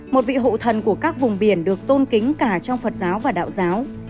một vị hộ thần của các vùng biển được tôn kính cả trong phật giáo và đạo giáo